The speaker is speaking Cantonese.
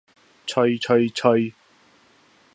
催催催